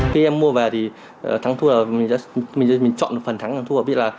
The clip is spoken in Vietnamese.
khi em mua về thì thắng thu là mình chọn phần thắng thu là biết là